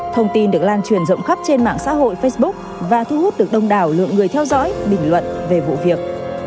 thông tin được lan truyền rộng khắp trên mạng xã hội facebook và thu hút được đông đảo lượng người theo dõi bình luận về vụ việc